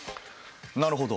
なるほど。